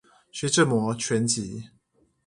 徐志摩全集